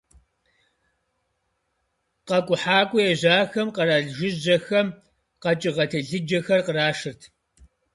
Къэкӏухьакӏуэ ежьэхэм къэрал жыжьэхэм къэкӏыгъэ телъыджэхэр кърашырт.